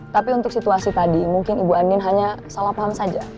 tapi untuk situasi tadi mungkin ibu amin hanya salah paham saja